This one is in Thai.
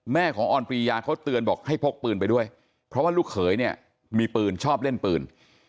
แม่ของออนปรียาเขาเตือนบอกให้พกปืนไปด้วยเพราะว่าลูกเขยเนี่ยมีปืนชอบเล่นปืน